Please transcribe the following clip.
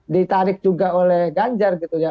ditarik juga oleh ganjar gitu ya